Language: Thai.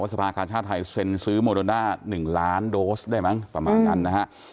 แต่ว่าวันเซ็นสัญญาเขาต้องเปิดตัว